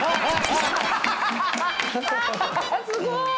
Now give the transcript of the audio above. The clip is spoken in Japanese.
すごい！